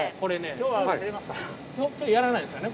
今日はやらないんですよね